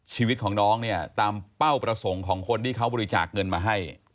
ชีวิตของน้องเนี่ยตามเป้าประสงค์ของคนที่เขาบริจาคเงินมาให้